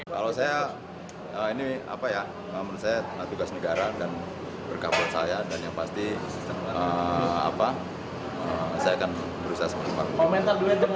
kalau saya ini apa ya menurut saya tugas negara dan berkabut saya dan yang pasti saya akan berusaha sempat